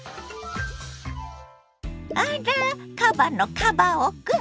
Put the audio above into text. あらカバのカバ男くん。